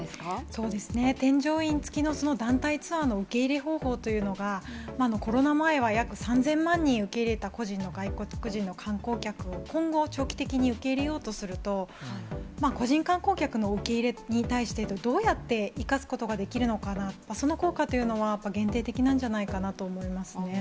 そうですね、添乗員付きの団体ツアーの受け入れ方法というのが、コロナ前は約３０００万人受け入れた個人の外国人の観光客を、今後、長期的に受け入れようとすると、個人観光客の受け入れに対して、どうやって生かすことができるのかな、その効果というのは、やっぱ限定的なんじゃないかなと思いますね。